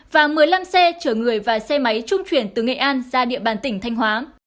và một mươi năm xe chở người và xe máy trung chuyển từ nghệ an ra địa bàn tỉnh thanh hóa